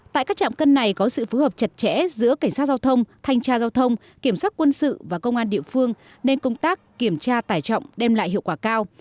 tại các trạm cân này có sự phối hợp chặt chẽ giữa cảnh sát giao thông thanh tra giao thông kiểm soát quân sự và công an địa phương nên công tác kiểm tra tải trọng đem lại hiệu quả cao